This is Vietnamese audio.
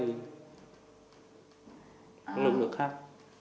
các lực lượng khác